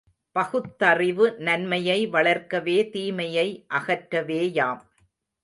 பகுத்தறிவு நன்மையை வளர்க்கவே தீமையை அகற்றவேயாம்.